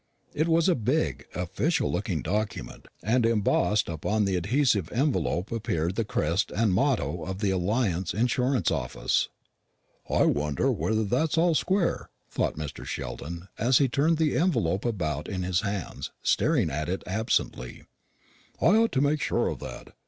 It was a big, official looking document, and embossed upon the adhesive envelope appeared the crest and motto of the Alliance Insurance Office. "I wonder whether that's all square," thought Mr. Sheldon, as he turned the envelope about in his hands, staring at it absently. "I ought to make sure of that.